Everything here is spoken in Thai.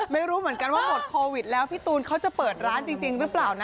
ไม่รู้เหมือนกันว่าหมดโควิดแล้วพี่ตูนเขาจะเปิดร้านจริงหรือเปล่านะ